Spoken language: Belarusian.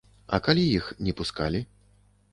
А калі іх не пускалі?